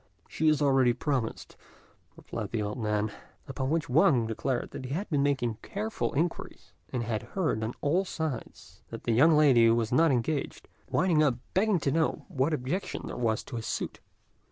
"She is already promised," replied the old man; upon which Wang declared he had been making careful inquiries, and had heard, on all sides, that the young lady was not engaged, winding up by begging to know what objection there was to his suit.